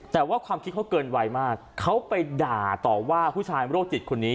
แต่ว่าความคิดเขาเกินไวมากเขาไปด่าต่อว่าผู้ชายโรคจิตคนนี้